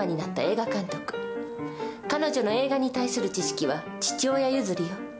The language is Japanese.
彼女の映画に対する知識は父親譲りよ。